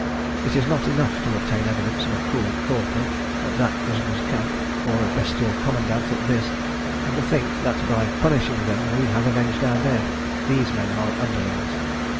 It is not enough to obtain evidence of a cruel corporal at that prisoners' camp, or of a bestial commandant at this, and to think that by punishing them we have avenged our dead. These men are underlings.